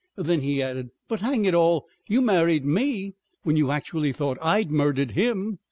Then he added: "But, hang it all! You married me when you actually thought I'd murdered him."